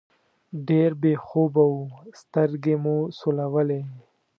ډېر بې خوبه وو، سترګې مو سولولې.